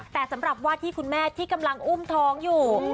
แต่สำหรับว่าที่คุณแม่ที่กำลังอุ้มท้องอยู่